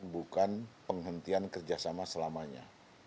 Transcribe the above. bukan penghentian kerjasama selamanya